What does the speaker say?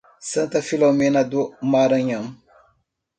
Santa Filomena do Maranhão